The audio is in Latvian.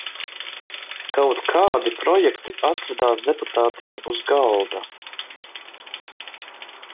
Kaut kādi projekti atradās deputātiem uz galda.